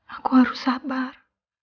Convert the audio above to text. aku harus sabar